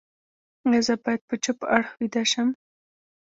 ایا زه باید په چپ اړخ ویده شم؟